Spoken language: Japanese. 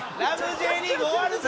Ｊリーグ』終わるぞ！